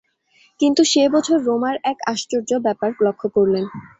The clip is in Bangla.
কিন্তু সে বছর রোমার এক আশ্চর্য ব্যাপার লক্ষ করলেন।